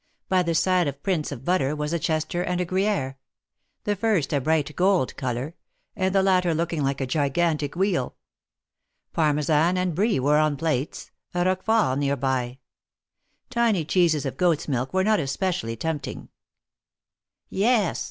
By the side of prints of butter was a Chester and a Gruyere: the first a bright gold color, and the latter looking like a gigantic wheel. Parmesan and Brie were on plates — a Roquefort near by. Tiny cheeses of goats' milk were not especially tempting. THE MARKETS OF PARIS.